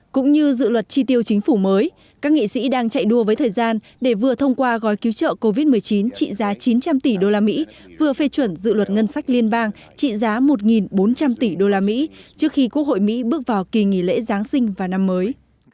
cũng như dự luật tri tiêu chính phủ mới các nghị sĩ đang chạy đua với thời gian để vừa thông qua gói cứu trợ covid một mươi chín trị giá chín trăm linh tỷ usd vừa phê chuẩn dự luật ngân sách liên bang trị giá một bốn trăm linh tỷ usd trước khi quốc hội mỹ bước vào kỳ nghỉ lễ giáng sinh và năm mới